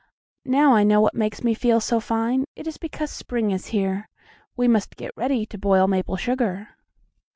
"Now I know what makes me feel so fine. It is because spring is here. We must get ready to boil maple sugar."